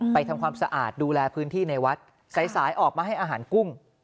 ทำความสะอาดดูแลพื้นที่ในวัดสายออกมาให้อาหารกุ้ง